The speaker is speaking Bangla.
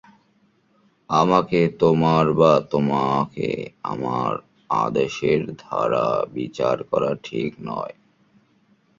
আমাকে তোমার বা তোমাকে আমার আদর্শের দ্বারা বিচার করা ঠিক নয়।